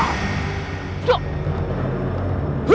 berada apa itu